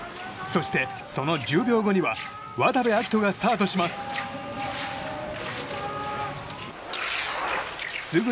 そして、その１０秒後には渡部暁斗がスタートします。